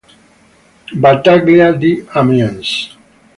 Battaglia di Amiens